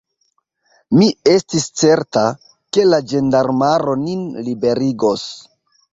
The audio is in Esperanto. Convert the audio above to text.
Mi estis certa, ke la ĝendarmaro nin liberigos.